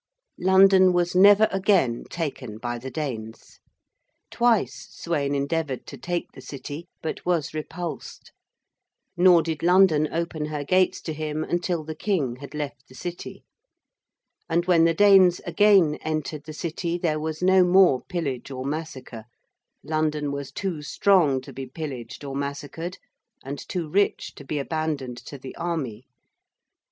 London was never again taken by the Danes. Twice Sweyn endeavoured to take the City but was repulsed. Nor did London open her gates to him until the King had left the City. And when the Danes again entered the City there was no more pillage or massacre; London was too strong to be pillaged or massacred, and too rich to be abandoned to the army.